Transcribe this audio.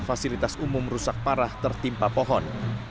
fasilitas umum rusak parah tertimpa pohon